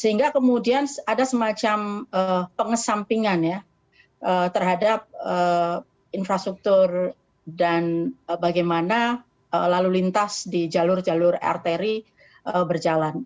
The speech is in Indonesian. sehingga kemudian ada semacam pengesampingan ya terhadap infrastruktur dan bagaimana lalu lintas di jalur jalur arteri berjalan